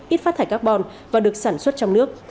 ít phát thải carbon và được sản xuất trong nước